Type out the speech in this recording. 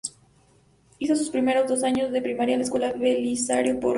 Hizo sus primero dos años de primaria en la escuela Belisario Porras.